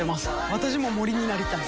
私も森になりたい。